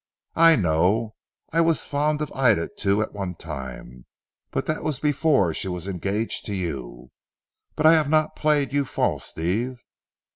"I know. I was fond of Ida too at one time that was before she was engaged to you. But I have not played you false Steve."